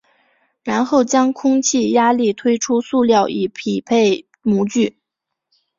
然后将空气压力推出塑料以匹配模具。